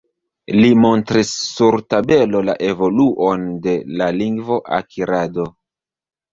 Li montris sur tabelo la evoluon de la lingvo akirado.